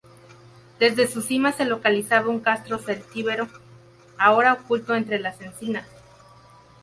Desde su cima se localizaba un castro celtíbero, ahora oculto entre las encinas.